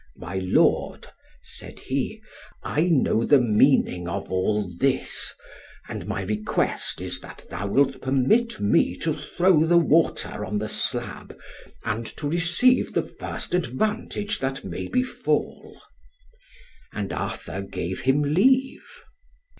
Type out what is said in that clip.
"My Lord," said he, "I know the meaning of all this, and my request is, that thou wilt permit me to throw the water on the slab, and to receive the first advantage that may befall." And Arthur gave him leave.